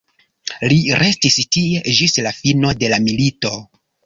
Li restis tie ĝis la fino de la milito.